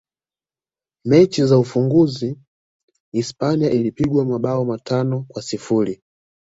mechi za ufunguzi hispania ilipigwa mabao matano kwa sifuri